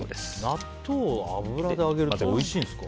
納豆を油で揚げるっておいしいんですか？